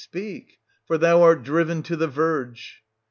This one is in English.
Speak, — for thou art driven to the verge.